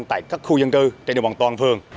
tại các khu dân cư trên đường bằng toàn phường